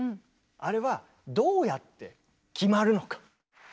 あれはどうやって決まるのか。